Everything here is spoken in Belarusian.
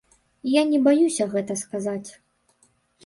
Я не баюся гэта сказаць.